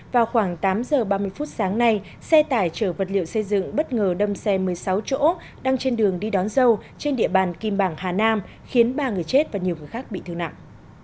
vào khoảng tám giờ ba mươi phút sáng nay xe tải chở vật liệu xây dựng bất ngờ đâm xe một mươi sáu chỗ đang trên đường đi đón dâu trên địa bàn kim bảng hà nam khiến ba người chết và nhiều người khác bị thương nặng